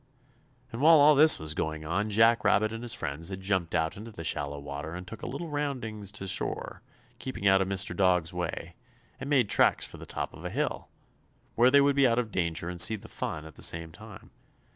And while all this was going on Jack Rabbit and his friends had jumped out into the shallow water and took a little roundin's to shore, keeping out of Mr. Dog's way, and made tracks for the top of a hill, where they would be out of danger and see the fun at the same time.